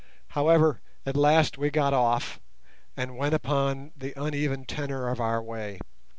However, at last we got off, and went upon the uneven tenor of our way.